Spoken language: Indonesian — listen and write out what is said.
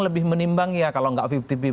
lebih menimbang ya kalau tidak lima puluh lima puluh